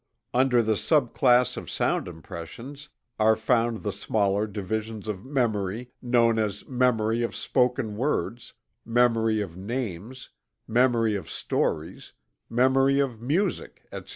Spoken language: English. Under the sub class of sound impressions are found the smaller divisions of memory known as memory of spoken words; memory of names; memory of stories; memory of music, etc.